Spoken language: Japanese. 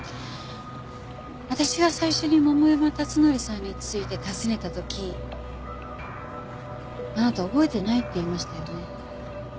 私が最初に桃山辰徳さんについて尋ねた時あなた「覚えてない」って言いましたよね？